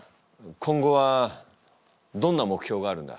今後はどんな目標があるんだ？